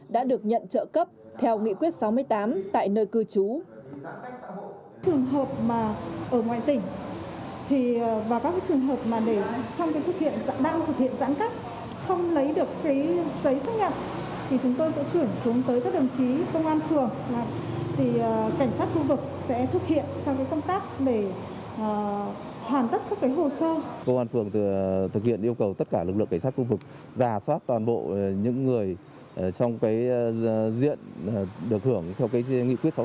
đã được nhận trợ cấp theo nghị quyết sáu mươi tám tại nơi cư trú